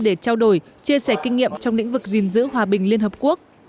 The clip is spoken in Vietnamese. để trao đổi chia sẻ kinh nghiệm trong lĩnh vực gìn giữ hòa bình liên hợp quốc